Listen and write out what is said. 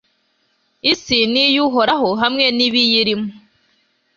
isi ni iy'uhoraho, hamwe n'ibiyirimo